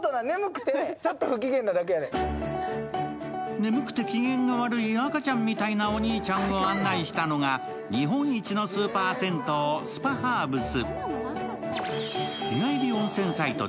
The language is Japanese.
眠くて機嫌が悪い赤ちゃんみたいなお兄ちゃんを案内したのは日本一のスーパー銭湯・スパハーブス。